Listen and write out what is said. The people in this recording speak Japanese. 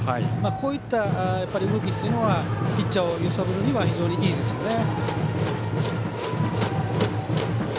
こういった動きっていうのはピッチャーを揺さぶるには非常にいいですよね。